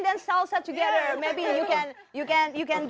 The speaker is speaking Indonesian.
dan sekarang kamu bertemu kami